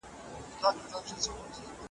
نه به دي د سره سالو پلو ته غزل ولیکي .